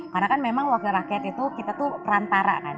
karena kan memang wakil rakyat itu kita tuh perantara kan